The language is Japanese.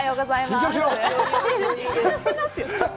緊張してますよ。